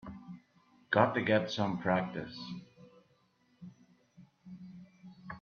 Got to get some practice.